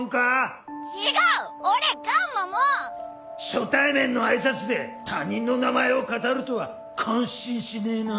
初対面の挨拶で他人の名前をかたるとは感心しねえな。